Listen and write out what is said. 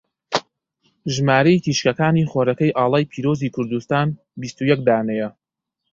ژمارەی تیشکەکانی خۆرەکەی ئاڵای پیرۆزی کوردستان بیستو یەک دانەیە.